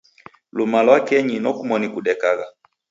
Lumalwakenyi nokumoni kudekagha